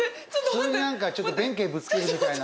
普通に何かちょっと弁慶ぶつけるみたいな。